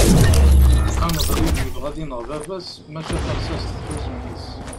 aneḍlib yebɣa ad ineɣ baba-s maca tarsast tḥuz mmi-s